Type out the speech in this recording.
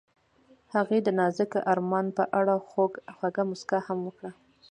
هغې د نازک آرمان په اړه خوږه موسکا هم وکړه.